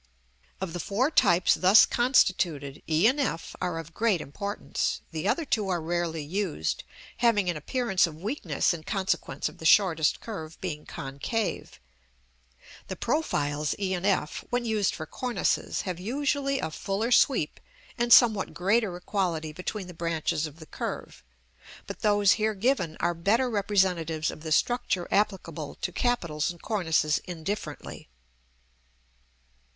Of the four types thus constituted, e and f are of great importance; the other two are rarely used, having an appearance of weakness in consequence of the shortest curve being concave: the profiles e and f, when used for cornices, have usually a fuller sweep and somewhat greater equality between the branches of the curve; but those here given are better representatives of the structure applicable to capitals and cornices indifferently.